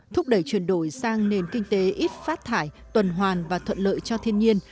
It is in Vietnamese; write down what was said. thúc đẩy chuyển đổi sang nền kinh tế ít phát thải tuần hoàn và thuận lợi cho thiên nhiên